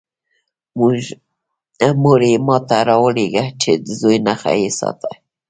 مور یې ما ته راولېږه چې د زوی نښه یې ساتی.